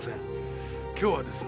今日はですね